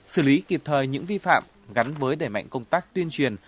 xử lý kịp thời những vi phạm gắn với đẩy mạnh công tác tuyên truyền